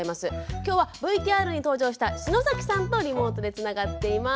今日はＶＴＲに登場した篠崎さんとリモートでつながっています。